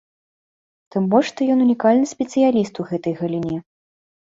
Тым больш, што ён унікальны спецыяліст у гэтай галіне.